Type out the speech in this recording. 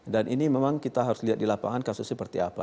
dan ini memang kita harus lihat di lapangan kasus seperti apa